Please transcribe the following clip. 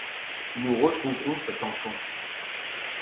Nous retrouverons cet enfant.